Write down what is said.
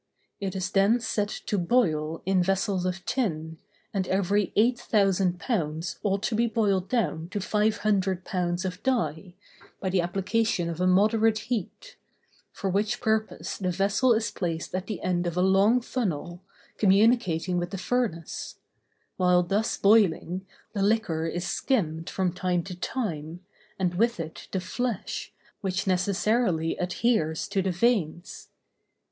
It is then set to boil in vessels of tin, and every eight thousand pounds ought to be boiled down to five hundred pounds of dye, by the application of a moderate heat; for which purpose the vessel is placed at the end of a long funnel, communicating with the furnace; while thus boiling, the liquor is skimmed from time to time, and with it the flesh, which necessarily adheres to the veins.